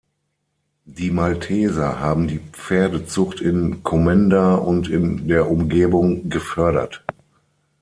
Die Malteser haben die Pferdezucht in Komenda und in der Umgebung gefördert.